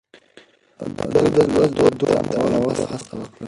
ده د لوست دود عامولو هڅه وکړه.